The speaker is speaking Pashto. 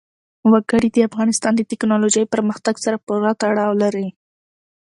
وګړي د افغانستان د تکنالوژۍ پرمختګ سره پوره تړاو لري.